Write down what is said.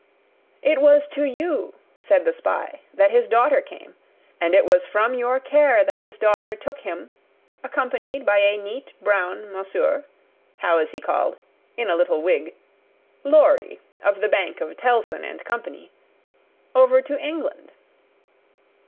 "It was to you," said the spy, "that his daughter came; and it was from your care that his daughter took him, accompanied by a neat brown monsieur; how is he called? in a little wig Lorry of the bank of Tellson and Company over to England."